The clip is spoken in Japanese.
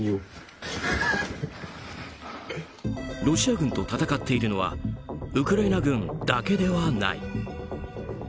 ロシア軍と戦っているのはウクライナ軍だけではない。